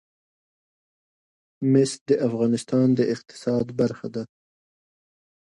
مس د افغانستان د اقتصاد برخه ده.